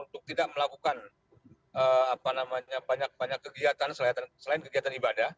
untuk tidak melakukan banyak banyak kegiatan selain kegiatan ibadah